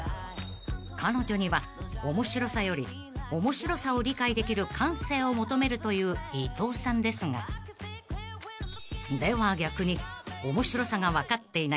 ［彼女には面白さより面白さを理解できる感性を求めるという伊藤さんですがでは逆に］